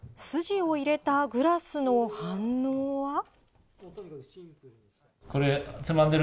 筋を入れたグラスの反応は。